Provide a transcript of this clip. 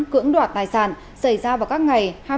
cưỡng đoạt tài sản xảy ra vào các ngày